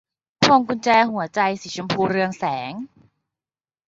พวงกุญแจหัวใจสีชมพูเรืองแสง